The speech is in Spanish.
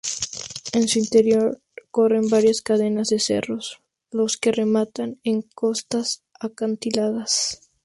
En su interior corren varias cadenas de cerros, los que rematan en costas acantiladas.